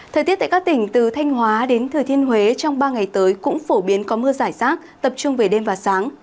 thời tiết tại các tỉnh từ thanh hóa đến thừa thiên huế trong ba ngày tới cũng phổ biến có mưa giải rác tập trung về đêm và sáng